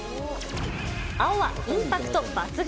青は、インパクト抜群。